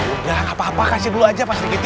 udah gapapa kasih dulu aja pak stigiti